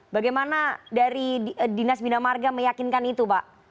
bagaimana dari dinas bina marga meyakinkan itu pak